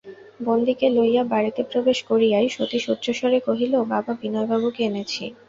বন্দীকে লইয়া বাড়িতে প্রবেশ করিয়াই সতীশ উচ্চস্বরে কহিল, বাবা, বিনয়বাবুকে এনেছি।